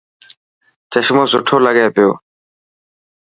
چشمو سٺو لگي پيو